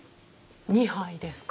２杯ですか。